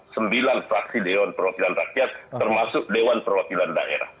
sembilan fraksi dewan perwakilan rakyat termasuk dewan perwakilan daerah